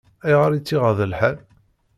Ayɣer i tt-iɣaḍ lḥal?